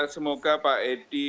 semoga pak edi